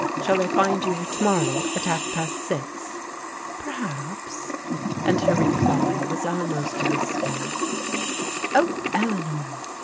Shall I find you here to morrow at half past six ?"" Perhaps," and her reply was almost a whisper. " Oh, Eleanor